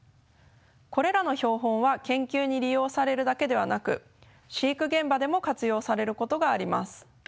これらの標本は研究に利用されるだけではなく飼育現場でも活用されることがあります。